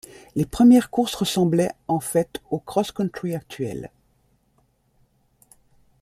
Les premières courses ressemblaient en fait au cross-country actuel.